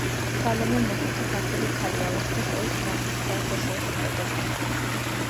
სალომე მეხუთე ქართველი ქალია ვაჟთა შორის უმაღლესი საერთაშორისო წოდებით.